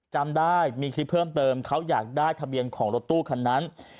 จำได้มีคลิปเพิ่มเติมเขาอยากได้ทะเบียนของรถตู้คันนั้น